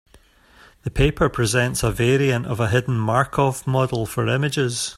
The paper presents a variant of a hidden Markov model for images.